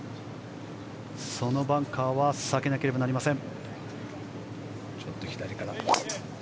そのバンカーは避けなければなりません。